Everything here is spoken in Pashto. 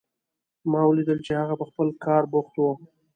ما ولیدل چې هغه په خپل کار بوخت و